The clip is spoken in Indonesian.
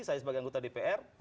saya sebagai anggota dpr